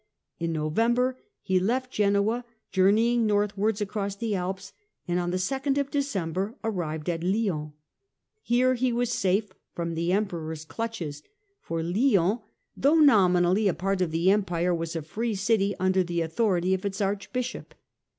In November he left Genoa, journeyed northwards across the Alps and on the 2nd of December arrived at Lyons. Here he was safe from the Emperor's clutches, for Lyons, though 218 STUPOR MUNDI nominally a part of the Empire, was a free city under the authority of its Archbishop.